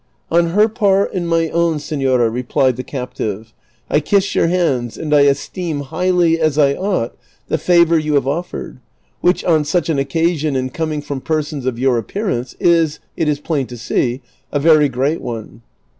" On her part and my own, senora," replied the captive, '' I kiss your hands, and I esteem highly, as I ought, the favor you have offered, which, on such an occasion and coming from persons of your appearance, is, it is plain to see, a very great one."